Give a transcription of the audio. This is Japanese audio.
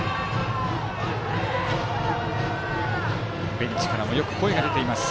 ベンチからもよく声が出ています。